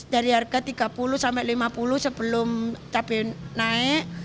dari harga rp tiga puluh sampai lima puluh sebelum cabai naik